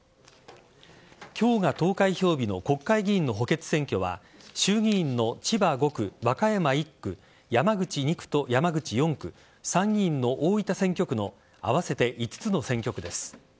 今日が投開票日の国会議員の補欠選挙は衆議院の千葉５区、和歌山１区山口２区と山口４区参議院の大分選挙区の合わせて５つの選挙区です。